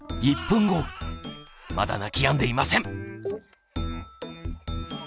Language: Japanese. まだ泣きやんでいません！